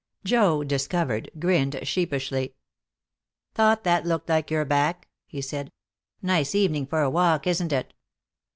Joe, discovered, grinned sheepishly. "Thought that looked like your back," he said. "Nice evening for a walk, isn't it?"